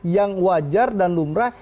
yang wajar dan lumrah